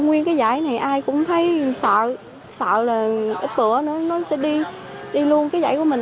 nguyên cái giải này ai cũng thấy sợ sợ là ít bữa nữa nó sẽ đi luôn cái giải của mình